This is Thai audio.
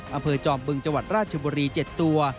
อำเภอจอมบึงจราชบุรี๗ตัว